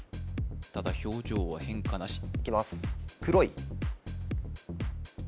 ただ表情は変化なしいきます